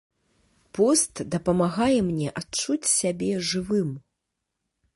Пост дапамагае мне адчуць сябе жывым.